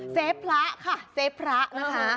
เฟฟพระค่ะเซฟพระนะคะ